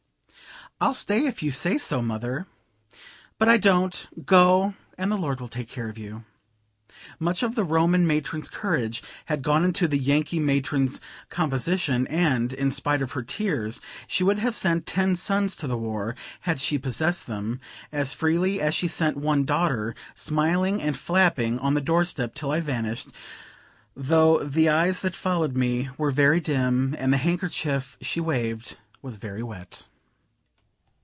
"I'll stay if you say so, mother." "But I don't; go, and the Lord will take care of you." Much of the Roman matron's courage had gone into the Yankee matron's composition, and, in spite of her tears, she would have sent ten sons to the war, had she possessed them, as freely as she sent one daughter, smiling and flapping on the door step till I vanished, though the eyes that followed me were very dim, and the handkerchief she waved was very wet.